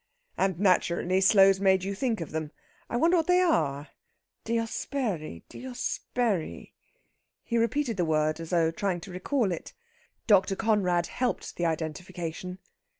"And naturally sloes made you think of them. I wonder what they are diosperi diosperi " He repeated the word as though trying to recall it. Dr. Conrad helped the identification.